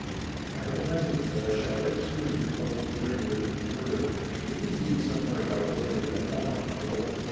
I have a message that I shall right soon be called to journey with thee further, meeting thee somewhere by the way that thou must go.